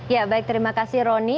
ya baik terima kasih roni